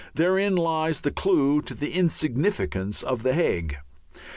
Therein lies the clue to the insignificance of The Hague.